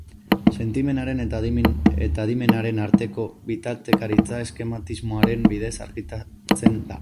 Sentimenaren eta adimenaren arteko bitartekaritza eskematismoaren bidez argitzen da.